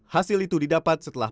hasil itu didapat setelah